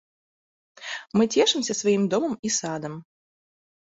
Мы цешымся сваім домам і садам.